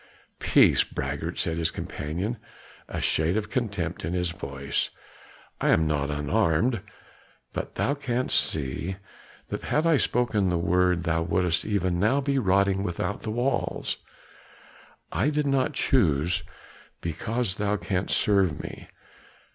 "Peace, braggart!" said his companion, a shade of contempt in his voice. "I am not unarmed. But thou canst see that had I spoken the word thou wouldst even now be rotting without the walls. I did not choose, because thou canst serve me.